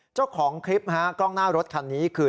เจ้าของคลิปฮะกล้องหน้ารถคันนี้คือ